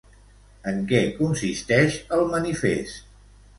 En què consisteix el manifest?